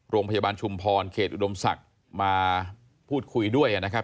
โรงพยาบาลชุมพรเขตอุดมศักดิ์มาพูดคุยด้วยนะครับ